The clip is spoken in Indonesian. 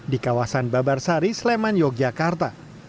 di kawasan babarsari sleman yogyakarta